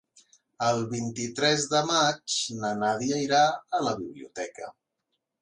El vint-i-tres de maig na Nàdia irà a la biblioteca.